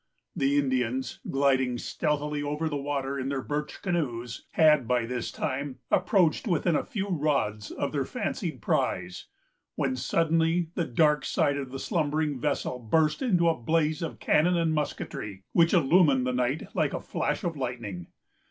The Indians, gliding stealthily over the water in their birch canoes, had, by this time, approached within a few rods of their fancied prize, when suddenly the dark side of the slumbering vessel burst into a blaze of cannon and musketry, which illumined the night like a flash of lightning.